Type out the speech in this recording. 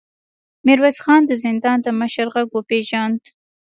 ميرويس خان د زندان د مشر غږ وپېژاند.